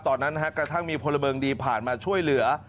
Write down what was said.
ตอนนั้นกระทั่งมีพลเมิงดีผ่านมาช่วยเหลือ